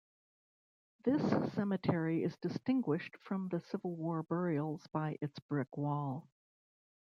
This cemetery is distinguished from the Civil War burials by its brick wall.